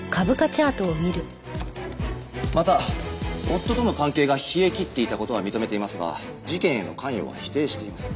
また夫との関係が冷えきっていた事は認めていますが事件への関与は否定しています。